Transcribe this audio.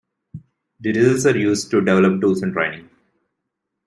The results are used to develop tools and training.